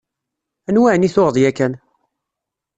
Anwa ɛni tuɣeḍ yakan?